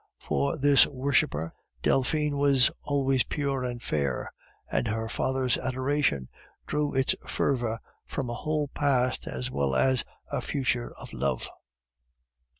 For this worshiper Delphine was always pure and fair, and her father's adoration drew its fervor from a whole past as well as a future of love.